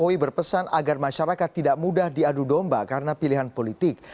jokowi berpesan agar masyarakat tidak mudah diadu domba karena pilihan politik